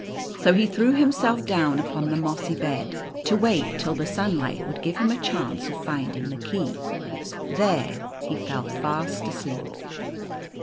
So he threw himself down on the mossy bed, to wait till the sunlight would give him a chance of finding the key. There he fell fast asleep.